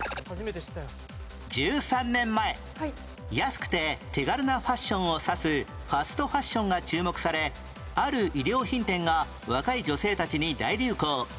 １３年前安くて手軽なファッションを指すファストファッションが注目されある衣料品店が若い女性たちに大流行